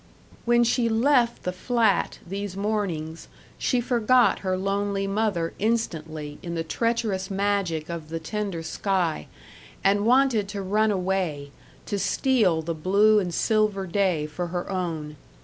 When she left the flat these mornings she forgot her lonely mother instantly in the treacherous magic of the tender sky, and wanted to run away, to steal the blue and silver day for her own.